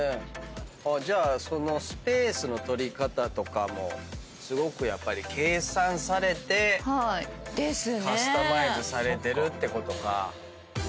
じゃあスペースの取り方とかもすごくやっぱり計算されてカスタマイズされてるってことか。